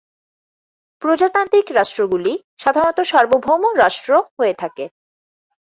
প্রজাতান্ত্রিক রাষ্ট্রগুলি সাধারণত সার্বভৌম রাষ্ট্র হয়ে থাকে।